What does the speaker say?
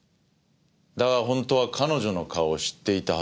だが本当は彼女の顔を知っていたはずだ。